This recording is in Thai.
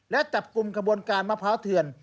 และจับกลุ่มกระบวนการมะพร้าวเถื่อน